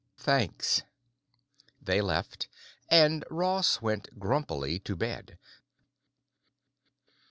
"Thanks." They left, and Ross went grumpily to bed.